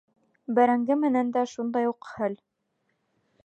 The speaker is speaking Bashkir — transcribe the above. Бәрәңге менән дә шундай уҡ хәл.